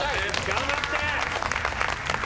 頑張って！